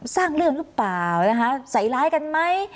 สร้างเรื่องรึเปล่านะฮะสายลายกันไหม